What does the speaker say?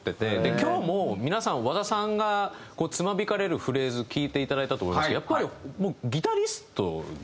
今日も皆さん和田さんが爪弾かれるフレーズ聴いていただいたと思いますけどやっぱりもうギタリストですし。